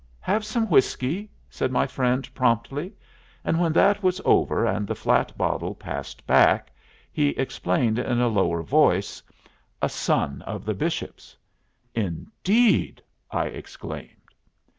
"Have some whiskey?" said my friend, promptly; and when that was over and the flat bottle passed back, he explained in a lower voice, "A son of the Bishop's." "Indeed!" I exclaimed.